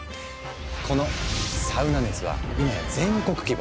このサウナ熱は今や全国規模。